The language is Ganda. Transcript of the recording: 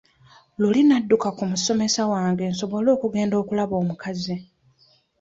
Luli nnadduka ku musomesa wange nsobole okugenda okulaba omukazi.